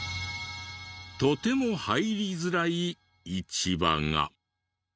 とても入りづらい市場が。